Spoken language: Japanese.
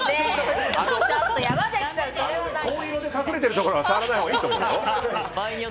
紺色で隠れてるところは触らないほうがいいと思うよ。